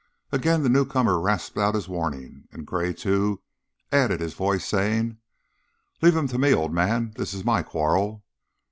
Again the newcomer rasped out his warning, and Gray, too, added his voice, saying: "Leave him to me, old man. This is my quarrel."